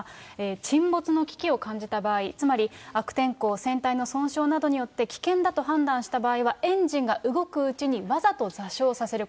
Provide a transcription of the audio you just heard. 沈没の危機を感じた場合、つまり悪天候、船体の損傷などによって、危険だと判断した場合は、エンジンが動くうちにわざと座礁させる。